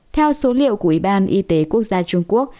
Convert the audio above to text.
theo số liệu của ủy ban y tế quốc gia trung quốc